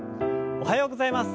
おはようございます。